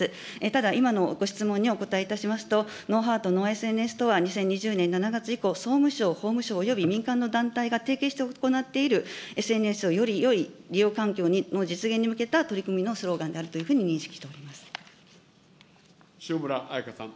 ただ、今のご質問にお答えいたしますと、ＮｏｈｅａｒｔＮｏＳＮＳとは２０２０年７月以降、総務省、法務省および、民間の団体が提携して行っているＳＮＳをよりよい利用環境の実現に向けた取り組みのスローガンであるというふうに認識をしており塩村あやかさん。